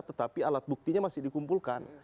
tetapi alat buktinya masih dikumpulkan